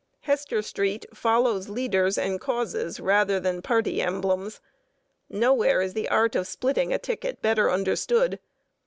Hester Street follows leaders and causes rather than party emblems. Nowhere is the art of splitting a ticket better understood.